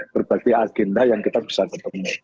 berbagai agenda yang kita bisa ketemu